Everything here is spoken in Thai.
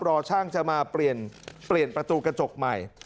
รอช่างจะมาเปลี่ยนประตูกระจกใหม่